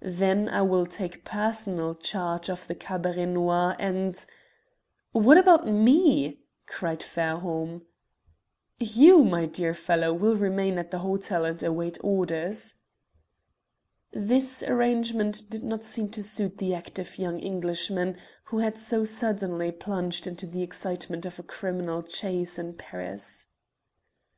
Then I will take personal charge of the Cabaret Noir, and " "What about me?" cried Fairholme. "You, my dear fellow, will remain at the hotel and await orders." This arrangement did not seem to suit the active young Englishman who had been so suddenly plunged into the excitement of a criminal chase in Paris.